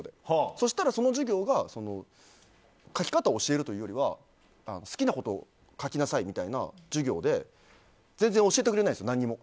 そうしたらその授業が書き方を教えるというよりは好きなことを書きなさいみたいな授業で全然教えてくれないんです何も。